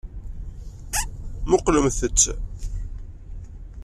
Muqqlemt-tt.